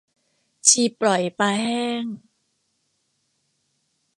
ชีปล่อยปลาแห้ง